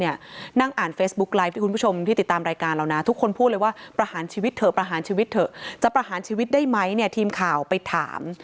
เนี่ยนั่งอ่านเฟซบุ๊กไลค์ลายผู้ชมที่ติดตามรายการแล้วนะทุกคนพูดเลยว่ากระหารชีวิตเถิดจะกระหารชีวิตได้ไหมเทียมข่าวไปถาม